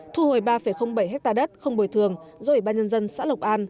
thu hồi ba bảy hectare đất không bồi thường do ủy ban nhân dân xã lộc an